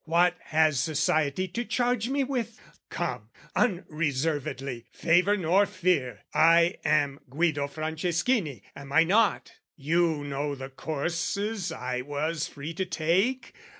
What has Society to charge me with? Come, unreservedly, favour nor fear, I am Guido Franceschini, am I not? You know the courses I was free to take?